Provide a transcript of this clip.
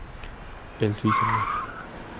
El suizo No.